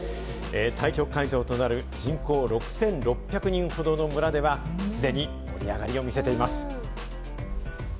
対局会場となる人口６６００人ほどの村では、既に盛り上がりを見せています。